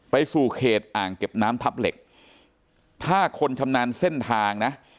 ไปสู่เขตอ่างเก็บน้ำทับเหล็กถ้าคนชำนาญเส้นทางนะ